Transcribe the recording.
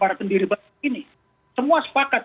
para pendiri bahasa indonesia ini semua sepakat